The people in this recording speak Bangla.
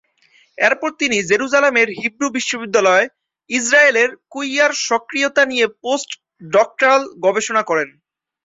এরপর তিনি জেরুজালেমের হিব্রু বিশ্ববিদ্যালয়ে ইজরায়েলের কুইয়ার সক্রিয়তা নিয়ে পোস্ট-ডক্টরাল গবেষণা করেন।